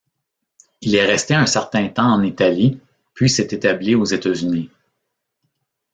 Il est resté un certain temps en Italie, puis s'est établi aux États-Unis.